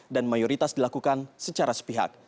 dan mayoritas dilakukan secara sepihak